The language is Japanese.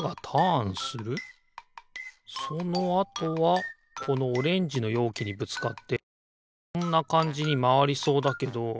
そのあとはこのオレンジのようきにぶつかってこんなかんじにまわりそうだけど。